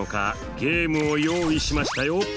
ゲームを用意しましたよ。